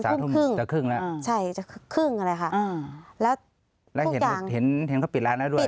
๓ทุ่มครึ่งใช่ครึ่งอะไรค่ะแล้วทุกอย่างแล้วเห็นเขาปิดร้านแล้วด้วย